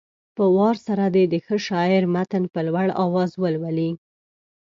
په وار سره دې د ښه شاعر متن په لوړ اواز ولولي.